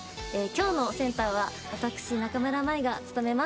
今日のセンターは私中村舞が務めます。